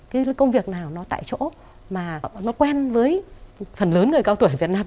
cái công việc nào nó tại chỗ mà nó quen với phần lớn người cao tuổi ở việt nam